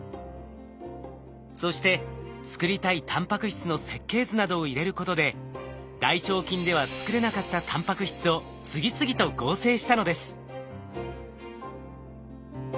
そして作りたいタンパク質の設計図などを入れることで大腸菌では作れなかったタンパク質を次々と合成したのです。